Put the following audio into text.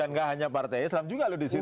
dan gak hanya partai islam juga loh disitu